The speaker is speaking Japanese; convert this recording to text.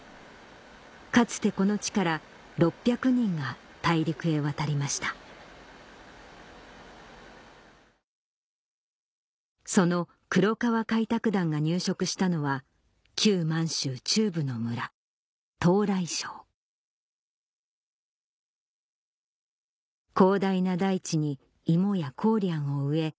かつてこの地から６００人が大陸へ渡りましたその黒川開拓団が入植したのは満州中部の村陶頼昭広大な大地に芋やコウリャンを植え